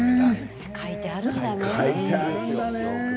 書いてあるんだね。